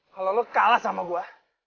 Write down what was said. kalau lo kalah sama gue